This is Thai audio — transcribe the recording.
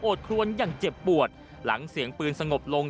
ครวนอย่างเจ็บปวดหลังเสียงปืนสงบลง